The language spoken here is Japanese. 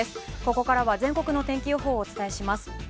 ここからは全国の天気予報をお伝えします。